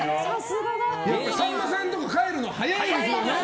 さんまさんとか帰るの早いですもんね。